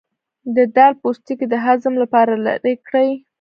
د دال پوستکی د هضم لپاره لرې کړئ